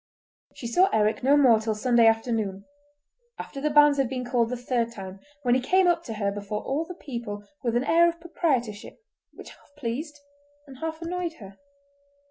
She saw Eric no more till Sunday afternoon, after the banns had been called the third time, when he came up to her before all the people with an air of proprietorship which half pleased and half annoyed her.